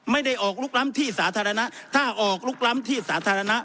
ไม่ได้ออกลุกล้ำที่สาธารณะถ้าออกลุกล้ำที่สาธารณะ